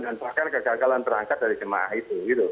dan bahkan kegagalan berangkat dari jemaah itu